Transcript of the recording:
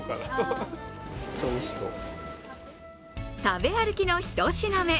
食べ歩きのひと品目